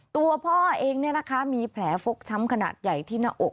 ตัวพ่อเองมีแผลฟกช้ำขนาดใหญ่ที่หน้าอก